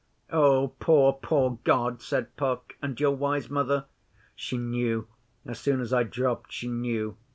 'Oh, poor poor God!' said Puck. 'And your wise Mother?' 'She knew. As soon as I dropped she knew.